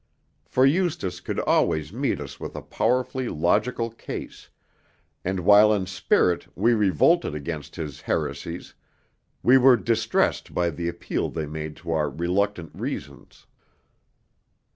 For Eustace could always meet us with a powerfully logical case, and while in spirit we revolted against his heresies, we were distressed by the appeal they made to our reluctant reasons.